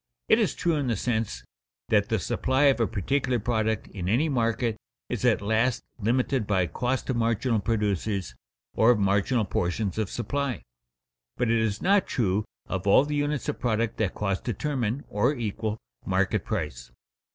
It is true in the sense that the supply of a particular product in any market is at last limited by cost of marginal producers or of marginal portions of supply. But it is not true of all the units of product that costs determine, or equal, market price.